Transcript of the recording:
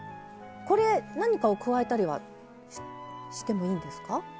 これ何かを加えたりはしてもいいんですか。